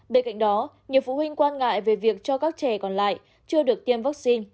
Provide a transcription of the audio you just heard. bên cạnh đó nhiều phụ huynh quan ngại về việc cho các trẻ còn lại chưa được tiêm vaccine